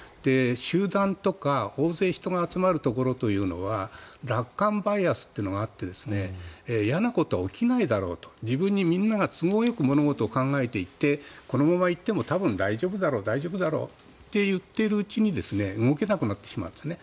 集団とか大勢人が集まるところというのは楽観バイアスっていうのがあって嫌なことは起きないだろうと自分にみんなが都合よく物事を考えていってこのまま行っても多分大丈夫だろうと言っているうちに動けなくなってしまうんですね。